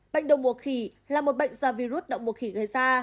bệnh đầu mùa khỉ là một bệnh do virus động mùa khỉ gây ra